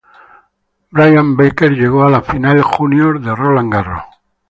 Brian Baker llegó a la final júnior de Roland Garros.